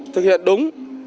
thực hiện đúng